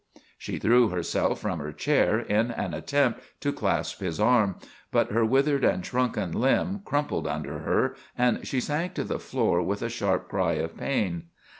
_" She threw herself from her chair in an attempt to clasp his arm but her withered and shrunken limb crumpled under her and she sank to the floor with a sharp cry of pain.